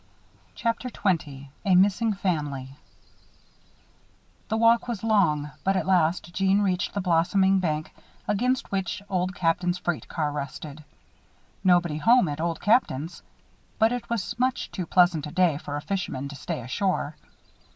CHAPTER XX A MISSING FAMILY The walk was long, but at last Jeanne reached the blossoming bank, against which Old Captain's freight car rested. Nobody home at Old Captain's; but it was much too pleasant a day for a fisherman to stay ashore.